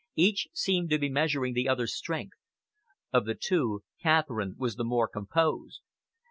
Each seemed to be measuring the other's strength. Of the two, Catherine was the more composed.